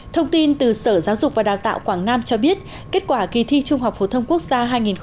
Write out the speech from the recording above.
thông tin từ sở giáo dục và đào tạo quảng nam cho biết kết quả kỳ thi trung học phổ thông quốc gia hai nghìn một mươi tám